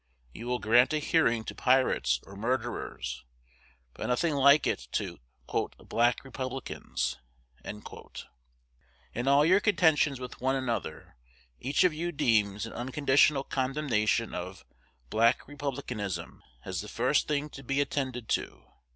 You will grant a hearing to pirates or murderers, but nothing like it to "Black Republicans." In all your contentions with one another, each of you deems an unconditional condemnation of "Black Republicanism" as the first thing to be attended to.